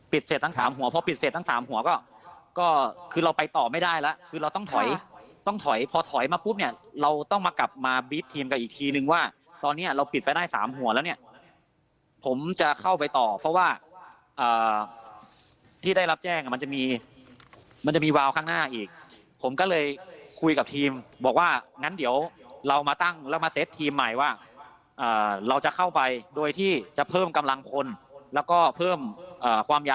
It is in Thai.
ปิดเสร็จทั้งสามหัวพอปิดเสร็จทั้งสามหัวก็ก็คือเราไปต่อไม่ได้แล้วคือเราต้องถอยต้องถอยพอถอยมาปุ๊บเนี่ยเราต้องมากลับมาบีบทีมกับอีกทีนึงว่าตอนเนี้ยเราปิดไปได้สามหัวแล้วเนี้ยผมจะเข้าไปต่อเพราะว่าอ่าที่ได้รับแจ้งอ่ะมันจะมีมันจะมีวาวข้างหน้าอีกผมก็เลยคุยกับทีมบอกว่างั้นเดี๋ยวเรามาตั้งแล้ว